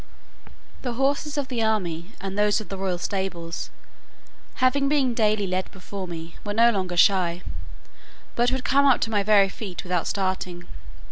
The horses of the army, and those of the royal stables, having been daily led before me, were no longer shy, but would come up to my very feet without starting.